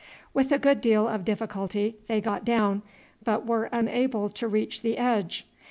With a good deal of difficulty they got down, but were unable to reach the edge.